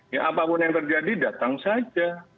ya apapun yang terjadi datang saja